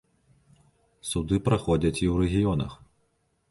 Суды праходзяць і ў рэгіёнах.